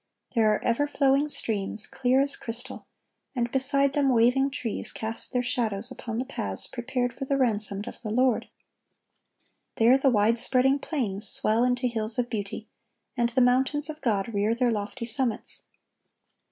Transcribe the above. There are ever flowing streams, clear as crystal, and beside them waving trees cast their shadows upon the paths prepared for the ransomed of the Lord. There the wide spreading plains swell into hills of beauty, and the mountains of God rear their lofty summits.